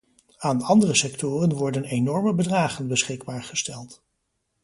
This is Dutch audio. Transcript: Aan andere sectoren worden enorme bedragen beschikbaar gesteld.